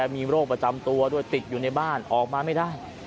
มีโรคประจำตัวด้วยติดอยู่ในบ้านออกมาไม่ได้